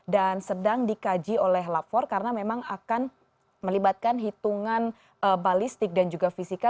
dan sedang dikaji oleh lapor karena memang akan melibatkan hitungan balistik dan juga fisika